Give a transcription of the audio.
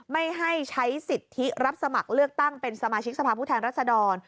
ไม่ให้ใช้สิทธิรับสมัครเลือกตั้งเป็นสมาชิกสภาพผู้แทนรัศดร